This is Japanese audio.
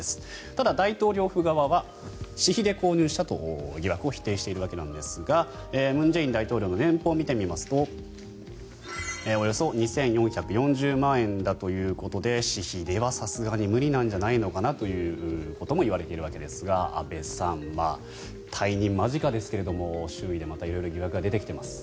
ただ、大統領府側は私費で購入したと疑惑を否定しているわけなんですが文在寅大統領の年俸を見てみますとおよそ２４４０万円だということで私費ではさすがに無理なんじゃないのかなということも言われているわけですが安部さん、退任間近ですが周囲でまた色々疑惑が出てきています。